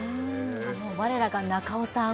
我らが中尾さん